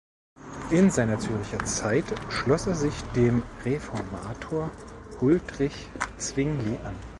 In seiner Zürcher Zeit schloss er sich dem Reformator Huldrych Zwingli an.